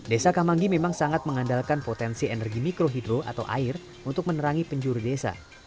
desa kamanggi memang sangat mengandalkan potensi energi mikrohidro atau air untuk menerangi penjuru desa